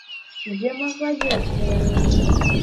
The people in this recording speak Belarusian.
Дзе магла дзецца яна?